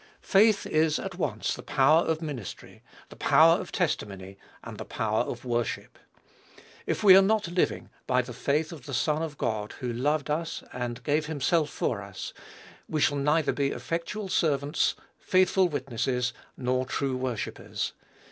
Faith is, at once, the power of ministry, the power of testimony, and the power of worship. If we are not living "by the faith of the Son of God, who loved us, and gave himself for us," we shall neither be effectual servants, faithful witnesses, nor true worshippers.